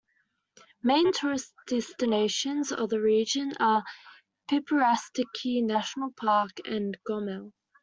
Main tourist destinations of the region are Pripyatsky National Park and Gomel.